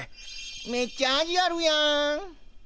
めっちゃ味あるやん。